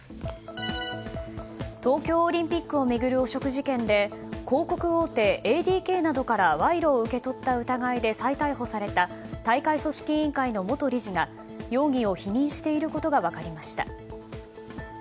東京オリンピックを巡る汚職事件で広告大手、ＡＤＫなどから賄賂を受け取った疑いで再逮捕された大会組織委員会の元理事が容疑を否認していることが分かりました。